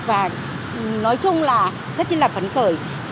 và nói chung là rất là phấn khởi